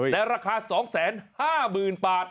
และราคา๒๕๐๐๐๐บาท